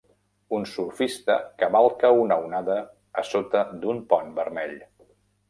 Un surfista cavalca una onada a sota d'un pont vermell.